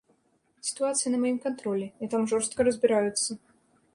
Сітуацыя на маім кантролі, і там жорстка разбіраюцца.